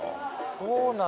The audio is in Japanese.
そうなんだ。